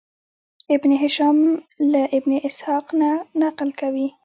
ابن هشام له ابن اسحاق نه نقل کوي.